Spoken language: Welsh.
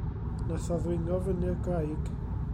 Nath o ddringo fyny'r graig.